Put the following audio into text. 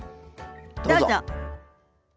どうぞ。